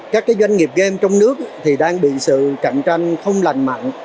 các doanh nghiệp game trong nước thì đang bị sự cạnh tranh không lành mạnh